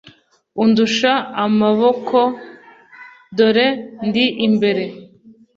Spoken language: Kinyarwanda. undusha amaboko, dore ndi imbere